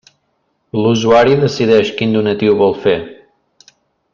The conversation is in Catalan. L'usuari decideix quin donatiu vol fer.